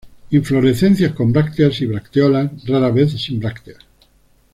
Inflorescencias con brácteas y bracteolas, rara vez sin brácteas.